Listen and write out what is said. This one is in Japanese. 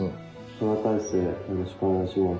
不破大成よろしくお願いします。